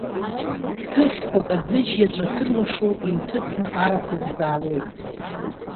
Ҭыӷьқәак аӡыжь иаҵәа ҭырлашо, иҩҭыҵны арахә ирзаалоит.